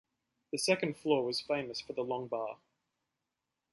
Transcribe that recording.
The second-floor was famous for the Long Bar.